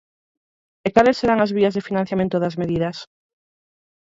E cales serán as vías de financiamento das medidas?